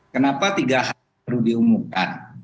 kenapa tiga hari baru diumumkan